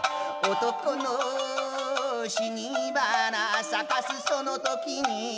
「男の死に花咲かすその時に」